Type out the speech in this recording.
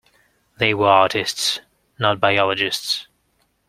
They were artists, not biologists.